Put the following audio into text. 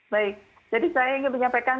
baik jadi saya ingin menyampaikan